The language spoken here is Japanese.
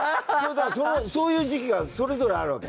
そういう時期がそれぞれあるわけ。